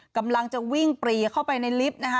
กำลังจะวิ่งปรีเข้าไปในลิฟต์นะคะ